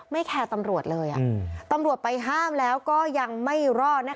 แคร์ตำรวจเลยตำรวจไปห้ามแล้วก็ยังไม่รอด